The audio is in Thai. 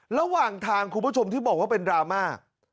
ระหว่างทางคุณผู้ชมที่บอกว่าเป็นดราม่า